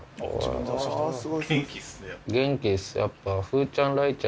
元気ですやっぱ。